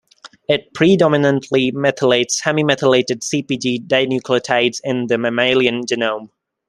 It predominantly methylates hemimethylated CpG di-nucleotides in the mammalian genome.